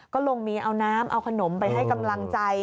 ก็ลงมีเอาน้ำเอาขนมไปให้กำลังใจ